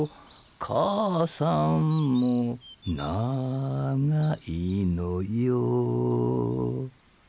母さんも長いのよ」